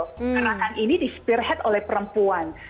gerakan ini di spirehead oleh perempuan